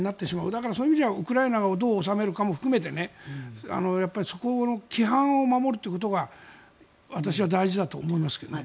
だからそういう意味ではウクライナをどう収めるかも含めてそこの規範を守るということが私は大事だと思いますけどね。